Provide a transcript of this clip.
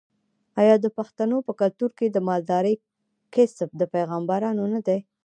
آیا د پښتنو په کلتور کې د مالدارۍ کسب د پیغمبرانو نه دی؟